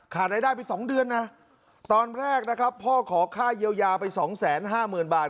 รายได้ไป๒เดือนนะตอนแรกนะครับพ่อขอค่าเยียวยาไป๒๕๐๐๐บาท